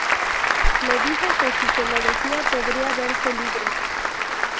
Le dijo que si se lo decía podría verse libre.